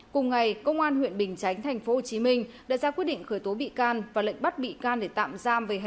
cùng ngày công an tp hcm đã ra quyết định khởi tố bị can và lệnh bắt bị can để tạm giam